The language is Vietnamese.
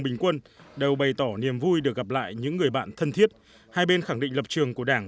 bình quân đều bày tỏ niềm vui được gặp lại những người bạn thân thiết hai bên khẳng định lập trường của đảng